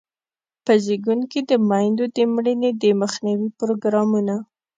په زیږون کې د میندو د مړینې د مخنیوي پروګرامونه.